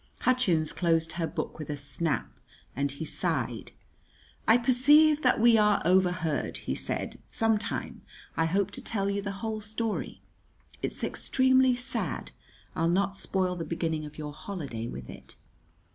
Hutchins closed her book with a snap, and he sighed. "I perceive that we are overheard," he said. "Some time I hope to tell you the whole story. It's extremely sad. I'll not spoil the beginning of your holiday with it."